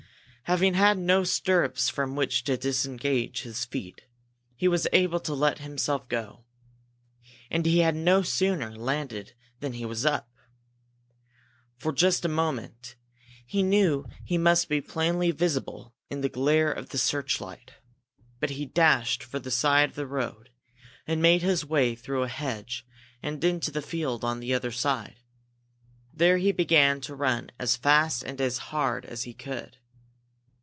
Having had no stirrups from which to disengage his feet, he was able to let himself go. And he had no sooner landed than he was up. For just a moment, he knew he must be plainly visible in the glare of the searchlight. But he dashed for the side of the road and made his way through a hedge and into the field on the other side. There he began to run as fast and as hard as he could.